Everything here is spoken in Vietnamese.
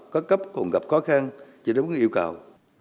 có cấp còn gặp khó khăn chưa đúng yêu cầu